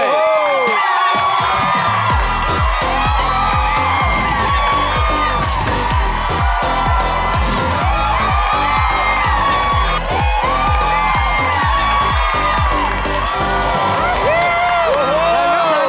ฮุโหโชคคู่